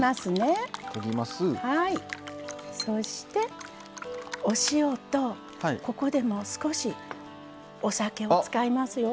そして、お塩と、ここでも少しお酒を使いますよ。